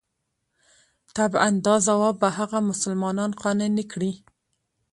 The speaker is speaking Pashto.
طبعاً دا ځواب به هغه مسلمانان قانع نه کړي.